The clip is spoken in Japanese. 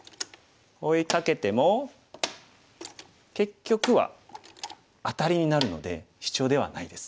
追いかけても結局はアタリになるのでシチョウではないです。